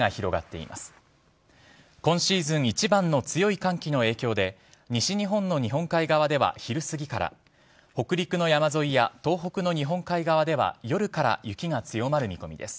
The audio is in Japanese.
今シーズン一番の強い寒気の影響で西日本の日本海側では昼すぎから北陸の山沿いや東北の日本海側では夜から雪が強まる見込みです。